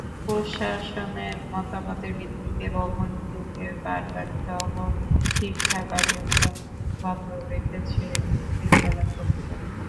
প্রশাসনের মতামতের ভিত্তিতে ভবনটিতে পাঠদানসহ শিক্ষা কার্যক্রম বন্ধ রেখেছে বিদ্যালয় কর্তৃপক্ষ।